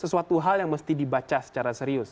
sesuatu hal yang mesti dibaca secara serius